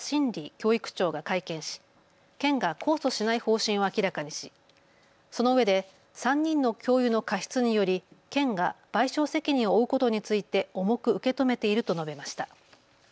教育長が会見し県が控訴しない方針を明らかにしそのうえで３人の教諭の過失により県が賠償責任を負うことについて重く受け止めていると述べました。